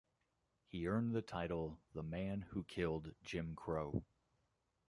He earned the title "The Man Who Killed Jim Crow".